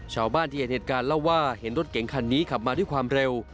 ชาวบ้านที่เห็นเหตุการณ์เล่าว่าเห็นรถเก๋งคันนี้ขับมาด้วยความเร็ว